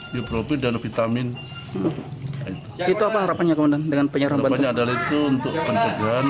biopropit dan vitamin itu harapannya dengan penyerahan banyak adalah itu untuk pencegahan